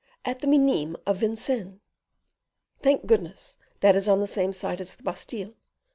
"At the Minimes of Vincennes." "Thank goodness, that is on the same side as the Bastile.